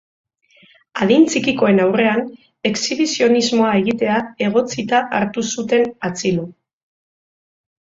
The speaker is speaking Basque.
Adin txikikoen aurrean exhibizionismoa egitea egotzita hartu zuten atxilo.